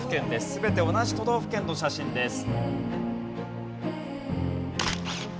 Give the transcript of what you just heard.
全て同じ都道府県の写真です。